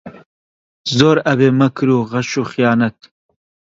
زۆر ئەبێ مەکر و غەش و خەیانەت